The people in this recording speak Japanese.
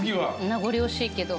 名残惜しいけど。